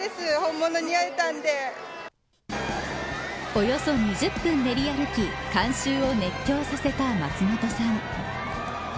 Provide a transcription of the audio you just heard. およそ２０分練り歩き観衆を熱狂させた松本さん。